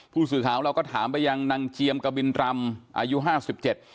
ผู้สื่อข่าวของเราก็ถามไปยังนางเจียมกะบินรำอายุห้าสิบเจ็ด